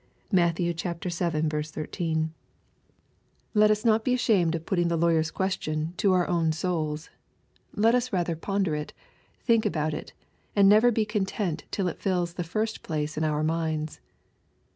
(Matt. vii. 13.) ' Let us not be ashamed of putting the lawyer's r LUKE, CHAP. X. 871 question tc our o^n souls. Let us rather ponder it, think about it, and never be content till it fills the first place in our minds.